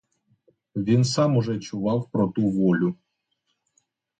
Він сам уже чував про ту волю.